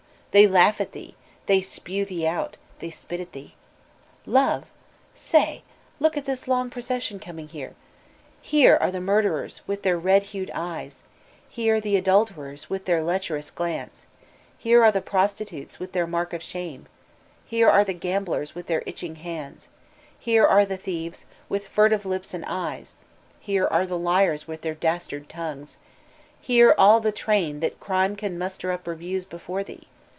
They laugh at thee, they spew thee oat« they spit at thee. Lovel Sayl Look — ^this long procession coming here I Here are the murderers, with their red hued eyes; here the adulterers, with their lecherous glance ; here are the prostitutes, with their mark of shame ; here are the gam* biers, with their itching hands ; here are the thieves, with furtive lips and eyes ; here are the liars with their dastard tongues; here all the train that Crime can muster vof reviews before thee